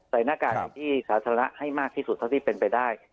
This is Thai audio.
หน้ากากในที่สาธารณะให้มากที่สุดเท่าที่เป็นไปได้